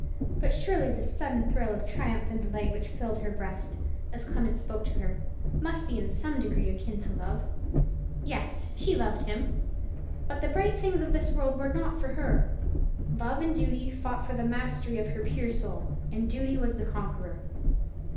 But surely this sudden thrill of triumph and delight which filled her breast, as Clement spoke to her, must be in some degree akin to love. Yes, she loved him; but the bright things of this world were not for her. Love and Duty fought for the mastery of her pure Soul: and Duty was the conqueror.